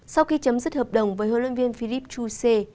sau khi chấm dứt hợp đồng với huấn luyện viên philip chu sê